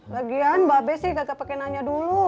lagian mba be sih kagak pake nanya dulu